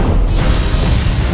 aku akan menangkapmu